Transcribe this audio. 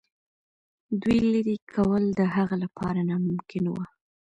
دوی لیري کول د هغه لپاره ناممکن وه.